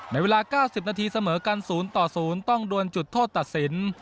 เวลา๙๐นาทีเสมอกัน๐ต่อ๐ต้องดวนจุดโทษตัดสิน